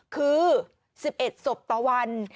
คือ๑๑ศพต่อวัน